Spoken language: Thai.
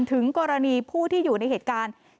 ถึงกรณีผู้ที่อยู่ในเหตุการณ์